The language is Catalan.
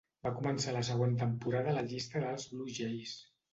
Va començar la següent temporada a la llista dels Blue Jays.